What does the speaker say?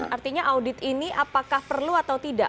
artinya audit ini apakah perlu atau tidak